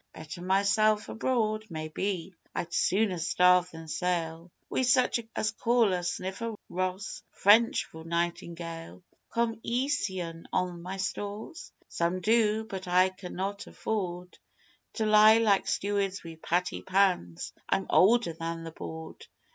Better myself abroad? Maybe. I'd sooner starve than sail Wi' such as call a snifter rod ross.... French for nightingale. Commeesion on my stores? Some do; but I can not afford To lie like stewards wi' patty pans. I'm older than the Board.